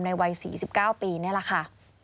วัย๔๙ปีนี่แหละค่ะ